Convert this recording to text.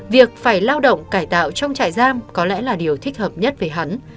việc phải lao động cải tạo trong trại giam có lẽ là điều thích hợp nhất về hắn